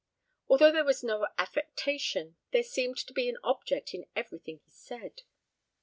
Although there was no affectation, there seemed to be an object in everything he said.